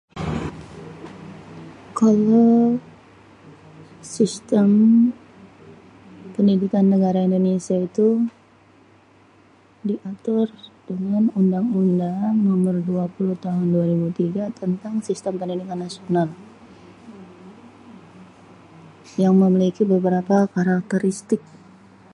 kalo sistem pendidikan negara indonesia itu di atur dengan undang-undang nomêr 20 tahun 2023, tentang sistem pendidikan nasional yang memiliki beberapa karakteristik.